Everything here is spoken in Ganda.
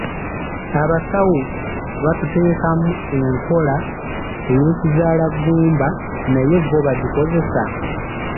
Abasawo batuteekamu enkola y'ekizaalagumba naye bo bagikozesa?